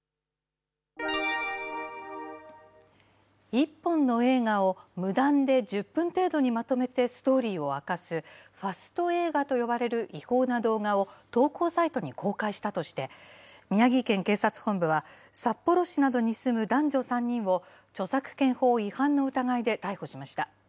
１本の映画を無断で１０分程度にまとめてストーリーを明かす、ファスト映画と呼ばれる違法な動画を、投稿サイトに公開したとして、宮城県警察本部は、札幌市などに住む男女３人を、著作権法違反の疑いで逮捕しました。